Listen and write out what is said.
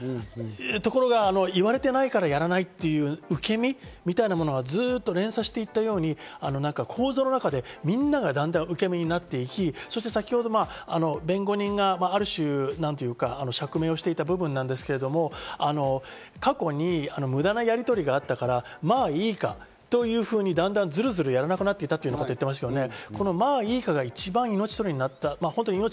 ところが言われてないからやらないという受け身みたいなものがずっと連鎖していったように、なんか構造の中でみんながだんだん受け身になっていき、そして先ほど弁護人がある種なんというか釈明をしていた部分ですけど、過去に無駄なやりとりがあったから、まぁいいかというふうに、だんだんずるずるやらなくなっていたということを言ってましたね。